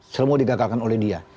semua digagalkan oleh dia